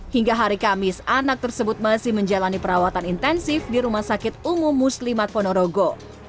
hingga hari kamis anak tersebut masih menjalani perawatan intensif di rumah sakit umum muslimat ponorogo